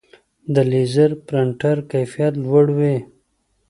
د لیزر پرنټر کیفیت لوړ وي.